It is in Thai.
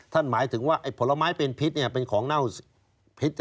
หมายถึงว่าผลไม้เป็นพิษเป็นของเน่าพิษ